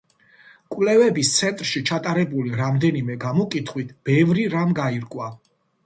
კვლევების ცენტრში ჩატარებული რამდენიმე გამოკითხვით, ბევრი რამ გაირკვა.